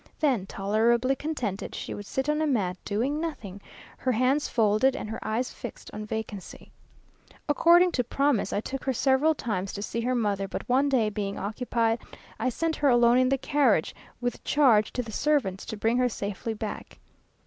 Then, tolerably contented, she would sit on a mat, doing nothing, her hands folded, and her eyes fixed on vacancy. According to promise, I took her several times to see her mother, but one day being occupied, I sent her alone in the carriage, with charge to the servants to bring her safely back.